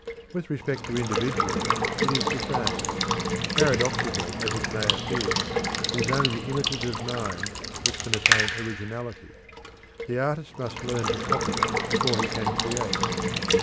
With respect to individuals it is the same. Paradoxical as it may appear, it is only the imitative mind which can attain originality, the artist must learn to copy before he can create.